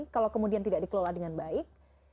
kalau kemudian tidak dikelola dengan baik